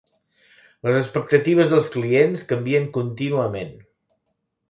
Les expectatives dels clients canvien contínuament.